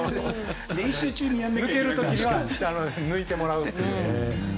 抜ける時には抜いてもらうっていう。